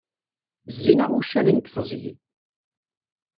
Zzin-aɣ wuccanen deg teẓgi!